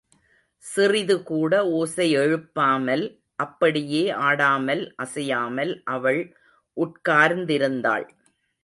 சிறிது கூட ஓசையெழுப்பாமல் அப்படியே ஆடாமல் அசையாமல் அவள் உட்கார்ந்திருந்தாள்.